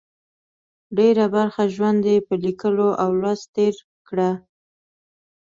ډېره برخه ژوند یې په لیکلو او لوست تېر کړه.